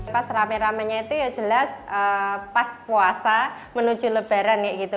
pas rame ramenya itu ya jelas pas puasa menuju lebaran kayak gitu